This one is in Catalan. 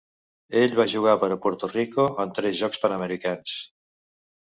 Ell va jugar per a Puerto Rico en tres Jocs Panamericans.